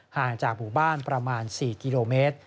ห่างจากหมู่บ้านประมาณ๔กิโลเมตร